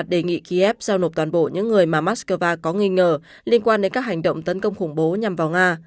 đề nghị kiev giao nộp toàn bộ những người mà moscow có nghi ngờ liên quan đến các hành động tấn công khủng bố nhằm vào nga